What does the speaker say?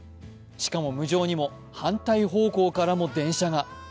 しかも無情にも反対方向からも電車が。